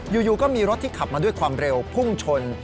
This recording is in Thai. อยู่ก็มีรถที่ขับมาด้วยความเร็วพุ่งชน